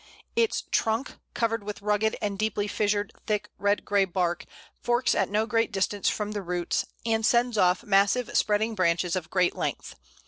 Its trunk, covered with rugged, and deeply fissured, thick, red grey bark, forks at no great distance from the roots, and sends off massive spreading branches of great length.